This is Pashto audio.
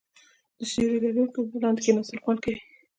د سیوري لرونکو ونو لاندې کیناستل خوند کوي.